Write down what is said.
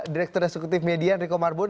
direktur respektif media riko marbun